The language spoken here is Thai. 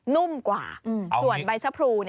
นุ่มกว่าส่วนใบชะพรู